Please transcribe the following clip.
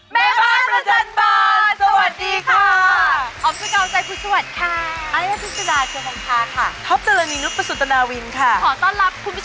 บอสสี้ครับ